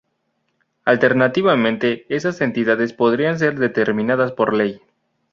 Alternativamente, esas cantidades podrían ser determinadas por ley.